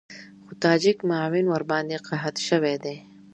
خو تاجک معاون ورباندې قحط شوی دی.